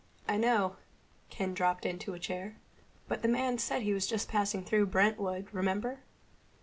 "I know." Ken dropped into a chair. "But the man said he was just passing through Brentwood, remember?